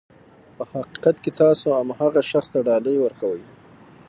په حقیقت کې تاسو هماغه شخص ته ډالۍ ورکوئ.